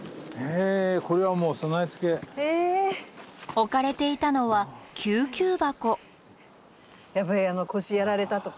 置かれていたのは救急箱。